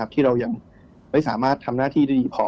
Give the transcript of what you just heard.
ที่เรายังไม่สามารถทำหน้าที่ได้ดีพอ